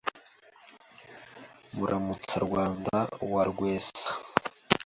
MuramutsaRwanda wa Rwesa